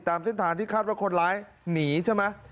ตามเส้นทางที่คาดว่าคนร้ายหนีใช่ไหม